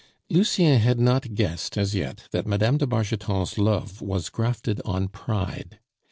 Lucien had not guessed as yet that Mme. de Bargeton's love was grafted on pride.